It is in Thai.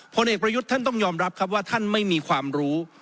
ผลเอกประยุทธ์ท่านต้องยอมรับครับว่าท่านไม่มีความรู้